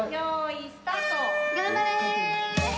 頑張れ！